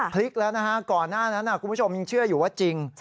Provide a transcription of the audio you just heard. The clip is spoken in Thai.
พลิกแล้วนะฮะก่อนหน้านั้นคุณผู้ชมยังเชื่ออยู่ว่าจริง